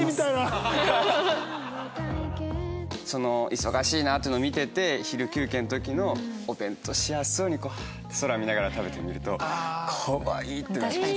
忙しいなっていうのを見てて昼休憩の時のお弁当幸せそうにこう「はあ」って空見ながら食べてるのを見るとかわいい！ってなっちゃう。